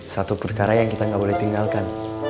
satu perkara yang kita nggak boleh tinggalkan